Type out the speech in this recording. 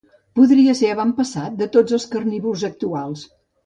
Podria ser avantpassat de tots els carnívors actuals.